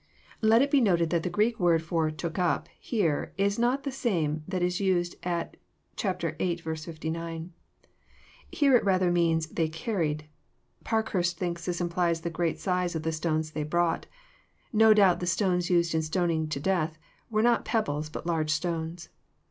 Let it be noted that the Greek word for took up " here, is not the same that is used at viii. 59. Here it rather means ^* they carried." Parkhurst thinks this implies the great size of the stones they brought. No doubt the stones used in stoning to death, were not pebbles, but large stones.